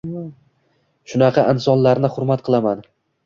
Shunaqa insonlarni hurmat qilaman.